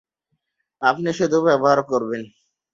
আপনি শুধু ব্যবহার করবেন।